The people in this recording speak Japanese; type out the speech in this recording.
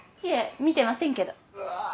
いえ見てませんけど。